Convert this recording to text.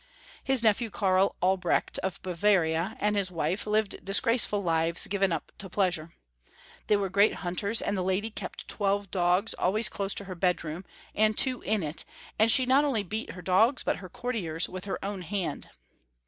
His nephew, Karl Albrecht of Bavaria, and his wife lived disgraceful lives, given up to pleasure. They were great himters, and the lady kept twelve dogs always close to her bedroom, and two in it, and she not only beat her dogs, but her courtiers with her own hand.